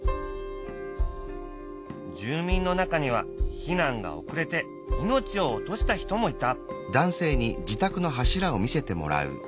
住民の中には避難が遅れて命を落とした人もいた。